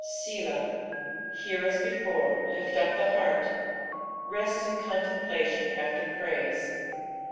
Selah. Here as before, lift up the heart. Rest in contemplBtion tS\a praise.